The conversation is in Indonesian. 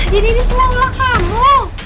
jadi ini selalu lah kamu